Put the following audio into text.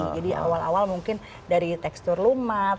jadi awal awal mungkin dari tekstur lumat